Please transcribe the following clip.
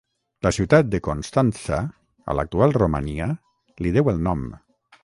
La ciutat de Constanţa, a l'actual Romania, li deu el nom.